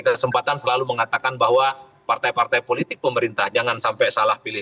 kesempatan selalu mengatakan bahwa partai partai politik pemerintah jangan sampai salah pilih